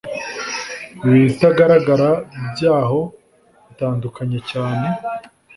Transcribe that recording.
Ibitagaragara byaho bitandukanye cyane